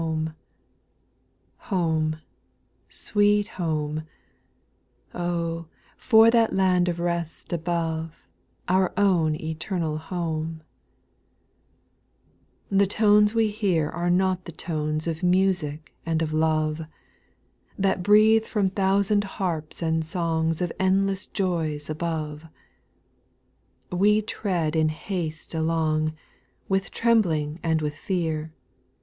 . Home, sweet home I Oh I for that land of rest above, Our own eternal home ? 3. The tones we hear are not the tones Of music and of love. That breathe from thousand harps and songs Of endless joys above. We tread in haste along, With trembling and with fear.